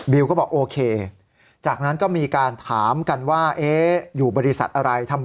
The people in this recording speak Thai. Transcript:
ก็บอกโอเคจากนั้นก็มีการถามกันว่าอยู่บริษัทอะไรทำไม